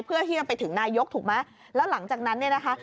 เพื่อที่จะไปถึงนายกถูกไหมแล้วหลังจากนั้นเนี่ยนะคะ